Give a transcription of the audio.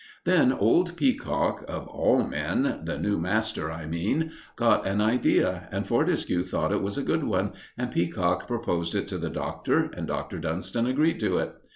Then old Peacock, of all men the new master, I mean got an idea, and Fortescue thought it was a good one, and Peacock proposed it to the Doctor, and Dr. Dunston agreed to it.